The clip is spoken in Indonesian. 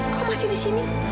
kok masih disini